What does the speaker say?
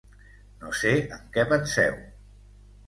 No sé en què penseu.